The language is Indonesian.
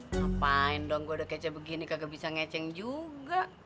ngapain dong gue udah kece begini kagak bisa ngeceng juga